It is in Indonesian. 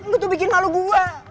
lu tuh bikin malu gua